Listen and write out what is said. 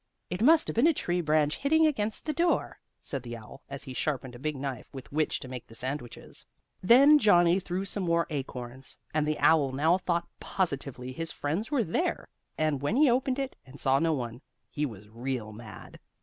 "It must have been a tree branch hitting against the door," said the owl, as he sharpened a big knife with which to make the sandwiches. Then Johnnie threw some more acorns, and the owl now thought positively his friends were there, and when he opened it and saw no one he was real mad.